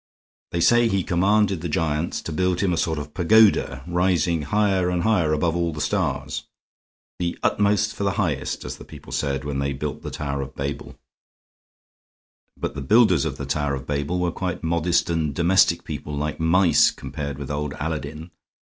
They say he commanded the giants to build him a sort of pagoda, rising higher and higher above all the stars. The Utmost for the Highest, as the people said when they built the Tower of Babel. But the builders of the Tower of Babel were quite modest and domestic people, like mice, compared with old Aladdin.